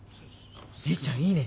姉ちゃんいいね。